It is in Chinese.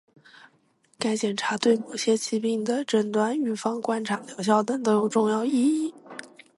该检查对某些疾病的诊断、预防、观察疗效等都有重要意义